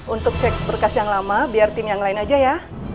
untuk cek berkas yang lama biar tim yang lain aja ya